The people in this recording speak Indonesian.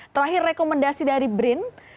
terakhir rekomendasi dari brin